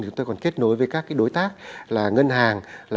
chúng tôi còn kết nối với các đối tác là ngân hàng